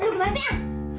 lu gimana sih ah